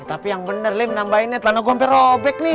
tapi yang bener leh menambahinnya ternyata gue sampe robek nih